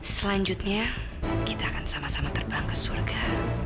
selanjutnya kita akan sama sama terbang ke surga